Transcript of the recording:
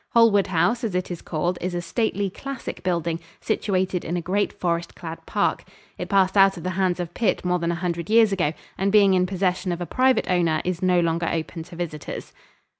Holwood House, as it is called, is a stately, classic building, situated in a great forest clad park. It passed out of the hands of Pitt more than a hundred years ago, and being in possession of a private owner, is no longer open to visitors.